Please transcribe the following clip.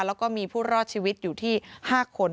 แล้วก็มีผู้รอดชีวิตอยู่ที่๕คน